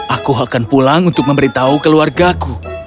aku akan pulang untuk memberitahu keluargaku